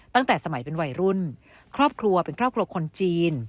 ตั้งแต่สมัยเป็นวัยรุ่นครอบครัวเป็นครอบครัวคนจีน